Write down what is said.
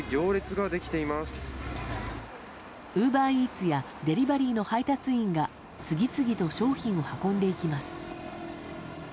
ウーバーイーツやデリバリーの配達員が次々と商品を運んでいきます。